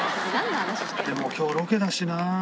でも今日ロケだしなー。